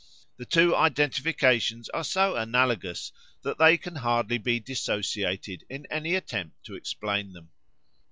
The two identifications are so analogous that they can hardly be dissociated in any attempt to explain them.